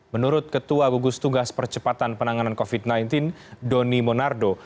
menurut ketua gugus tugas percepatan penanganan covid sembilan belas doni monardo